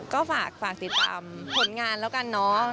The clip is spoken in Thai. ก็ฝากติดตามผลงานแล้วกันเนาะ